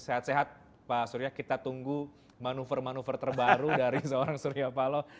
sehat sehat pak surya kita tunggu manuver manuver terbaru dari seorang surya paloh